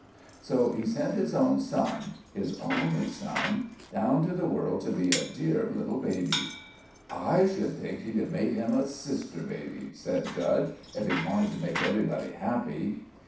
"So He sent His own Son his only Son down to the world to be a dear little baby." "I should think He'd have made Him a sister baby," said Budge, "if He'd wanted to make everybody happy."